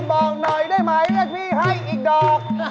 บอกหน่อยได้ไหมเรียกพี่ให้อีกดอก